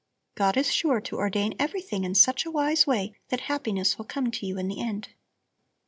God is sure to ordain everything in such a wise way that happiness will come to you in the end."